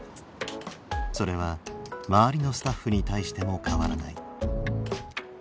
それは周りのスタッフに対しても変わらない。